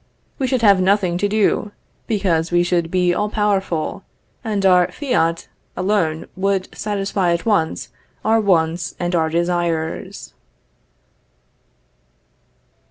We should have nothing to do, because we should be all powerful, and our fiat alone would satisfy at once our wants and our desires.